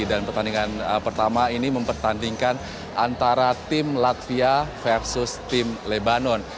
dan pertandingan pertama ini mempertandingkan antara tim latvia versus tim lebanon